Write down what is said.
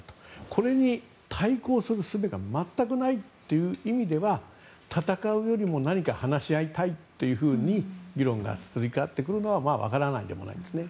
これに対抗するすべが全くないという意味では戦うよりも何か話し合いたいというふうに議論がすり替わってくるのは分からないでもないですね。